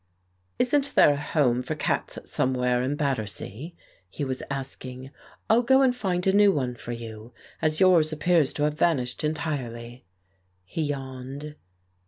"Isn't there a home for cats somewhere in Bat tersea?" he was asking. "I'll go and find a new one for you, as yours appears to have vanished entirely." He yawned.